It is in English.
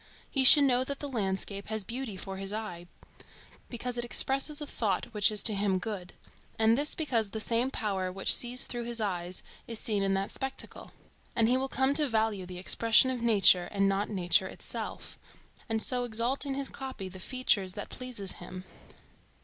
He should know that the landscape has beauty for his eye because it expresses a thought which is to him good; and this because the same power which sees through his eyes is seen in that spectacle; and he will come to value the expression of nature and not nature itself, and so exalt in his copy the features that please him.